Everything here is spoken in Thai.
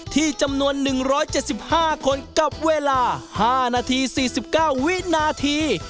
จำนวน๑๗๕คนกับเวลา๕นาที๔๙วินาที